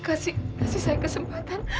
kasih kasih saya kesempatan